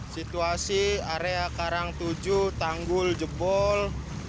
situasi area karang tujuh tanggul jebol